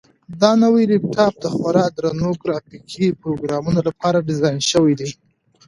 دا نوی لپټاپ د خورا درنو ګرافیکي پروګرامونو لپاره ډیزاین شوی دی.